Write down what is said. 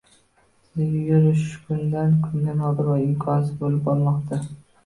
Sizningcha, yurish kundan -kunga nodir va imkonsiz bo'lib bormoqda?